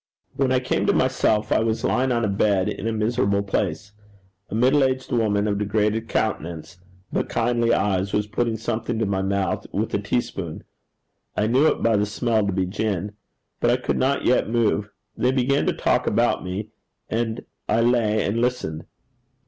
When I came to myself I was lying on a bed in a miserable place. A middle aged woman of degraded countenance, but kindly eyes, was putting something to my mouth with a teaspoon: I knew it by the smell to be gin. But I could not yet move. They began to talk about me, and I lay and listened.